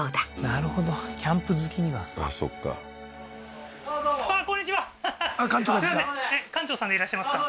なるほどキャンプ好きにはあっそっかははっすいません館長さんでいらっしゃいますか？